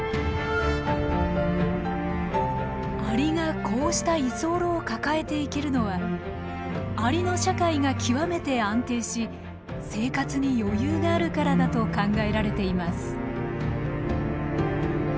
アリがこうした居候を抱えていけるのはアリの社会が極めて安定し生活に余裕があるからだと考えられています。